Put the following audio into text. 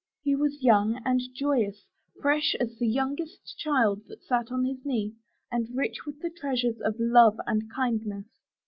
He was young, and joyous, fresh as the youngest child that sat on his knee, and rich with the treasures of love and kindness.